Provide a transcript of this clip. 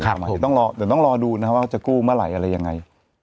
ครับผมแต่ต้องรอดูนะว่าจะกู้เมื่อไหร่อะไรยังไง